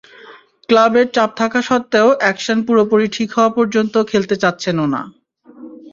ক্লাবের চাপ থাকা সত্ত্বেও অ্যাকশন পুরোপুরি ঠিক হওয়া পর্যন্ত খেলতে চাচ্ছেনও না।